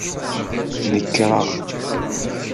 Nekreɣ.